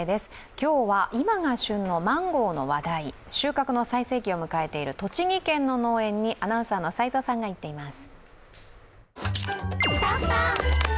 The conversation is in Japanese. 今日は今が旬のマンゴーの話題、収穫の最盛期を迎えている栃木県の農園にアナウンサーの齋藤さんが行っています。